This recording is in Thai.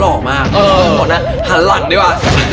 หว่างร่างนะ